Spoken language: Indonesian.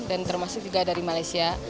dan termasuk juga dari malaysia